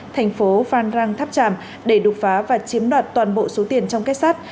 thành phố phan rang tháp tràm để đục phá và chiếm đoạt toàn bộ số tiền trong kép sát